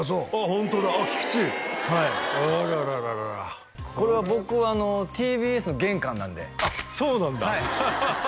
ホントだ菊池あららこれは僕ＴＢＳの玄関なんであっそうなんだハハハ